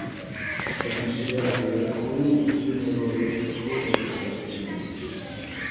È considerato da alcuni il primo eroe epico della storia cinese.